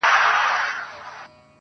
آهونه چي د مړه زړه له پرهاره راوتلي,